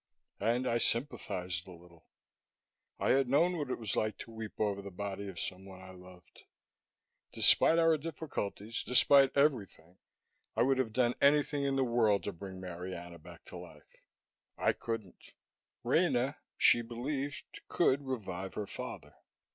And I sympathized a little. I had known what it was like to weep over the body of someone I loved. Despite our difficulties, despite everything, I would have done anything in the world to bring Marianna back to life. I couldn't. Rena she believed could revive her father.